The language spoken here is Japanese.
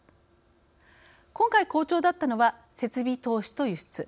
今回好調だったのは設備投資と輸出。